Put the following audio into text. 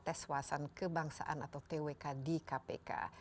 tes wawasan kebangsaan atau twk di kpk